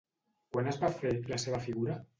Quan es va fer, la seva figura?